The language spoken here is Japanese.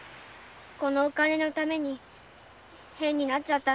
このお金のために変になっちゃったんだ。